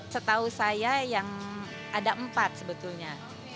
setahu saya yang ada empat sebetulnya